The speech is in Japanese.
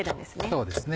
そうですね